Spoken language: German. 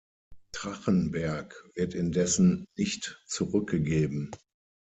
Trachenberg wird indessen nicht zurückgegeben.